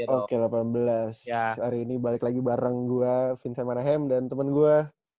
oke delapan belas hari ini balik lagi bareng gue vince manahem dan temen gue